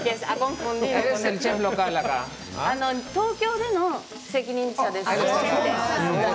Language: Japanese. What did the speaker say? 東京での責任者です。